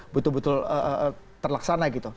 betul betul terlaksana gitu